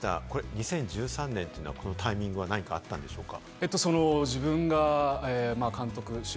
２０１３年、このタイミングは何かあったんでしょうか？